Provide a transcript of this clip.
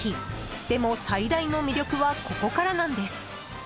でも、最大の魅力はここからなんです。